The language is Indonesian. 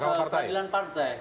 kemudian dibawa ke dewan kehormatan